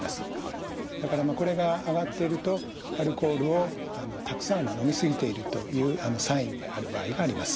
だからこれが上がってるとアルコールをたくさん飲み過ぎているというサインである場合があります。